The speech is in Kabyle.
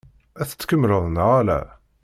Ad t-tkemmleḍ neɣ ala?